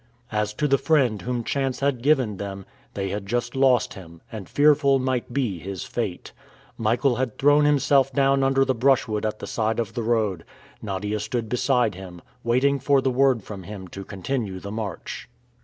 As to the friend whom chance had given them, they had just lost him, and fearful might be his fate. Michael had thrown himself down under the brushwood at the side of the road. Nadia stood beside him, waiting for the word from him to continue the march.